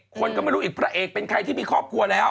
คนก็ไม่รู้อีกพระเอกเป็นใครที่มีครอบครัวแล้ว